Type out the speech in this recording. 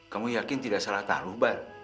kamu yakin tidak salah tahu bar